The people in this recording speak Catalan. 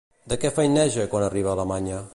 De què feineja quan arriba a Alemanya?